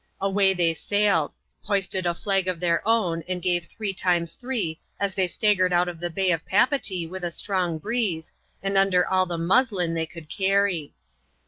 Away they sailed ; hoisted a flag of their own, and gave three times three, as they staggered out of the bay of Papeetee with a strong breeze, and under all the " muslin " they could carry.